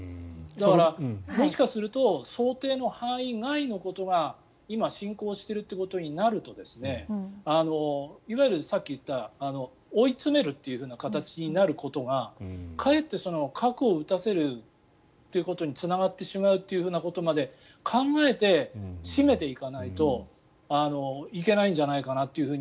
だから、もしかすると想定の範囲外のことが今、進行しているということになるといわゆるさっき言った追い詰めるという形になることがかえって核を撃たせることにつながってしまうということまで考えて締めていかないといけないんじゃないかと。